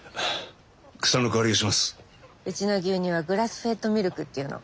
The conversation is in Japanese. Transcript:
うちの牛乳はグラスフェッドミルクっていうの。